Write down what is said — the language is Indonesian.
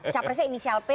capresnya inisial p